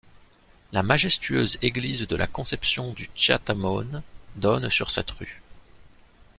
La majestueuse église de la Conception du Chiatamone donne sur cette rue.